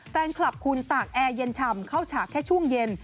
แฟนคลับคุณตากแอร์เย็นฉ่ำเข้าฉากแค่ช่วงเย็น